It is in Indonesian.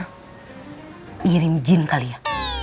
yang ngirim jin kali ya